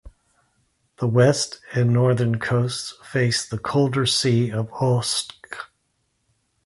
The west and northern coasts face the colder Sea of Okhotsk.